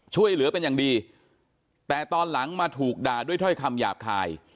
ช่วยเหลือเป็นอย่างดีแต่ตอนหลังมาถูกด่าด้วยถ้อยคำหยาบคาย